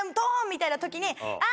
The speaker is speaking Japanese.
みたいな時に。